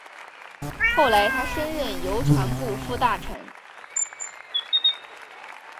后来他升任邮传部副大臣。